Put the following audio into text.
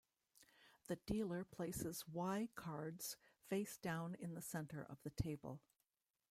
The dealer places Y cards face down in the center of the table.